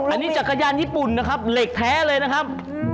อันนี้จักรยานญี่ปุ่นนะครับเหล็กแท้เลยนะครับ